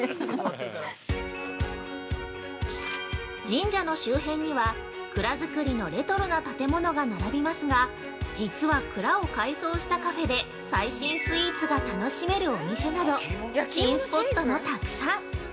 ◆神社の周辺には、蔵造りのレトロな建物が並びますが実は蔵を改装したカフェで最新スイーツが楽しめるお店など新スポットもたくさん。